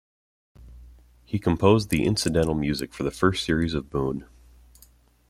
He composed the incidental music for the first series of "Boon".